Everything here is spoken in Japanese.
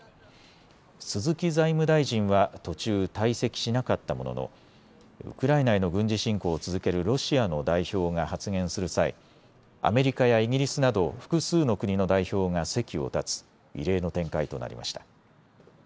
鈴木財務大臣は途中、退席しなかったもののウクライナへの軍事侵攻を続けるロシアの代表が発言する際、アメリカやイギリスなど複数の国の代表が席を立つ異例の展開となりました。